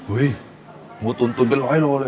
อุ้ยหมูตุ๋นเป็นร้อยโลเลยเหรอ